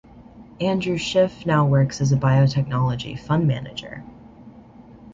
Andrew Schiff now works as a biotechnology fund manager.